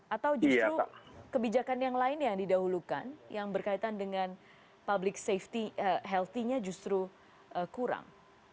atau justru kebijakan yang lain yang didahulukan yang berkaitan dengan public safety healthy nya justru kurang